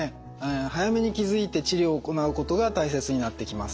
早めに気付いて治療を行うことが大切になってきます。